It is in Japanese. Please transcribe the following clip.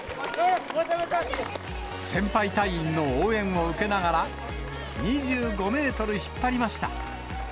先輩隊員の応援を受けながら、２５メートル引っ張りました。